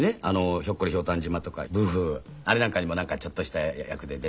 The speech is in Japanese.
『ひょっこりひょうたん島』とか『ブーフーウー』あれなんかにもなんかちょっとした役で出て。